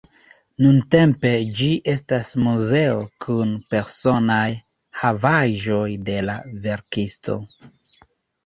Nuntempe ĝi estas muzeo kun personaj havaĵoj de la verkisto.